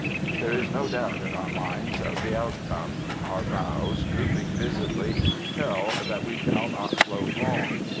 There is no doubt in our minds of the outcome. Our bows, drooping visibly, tell that we shall not float long.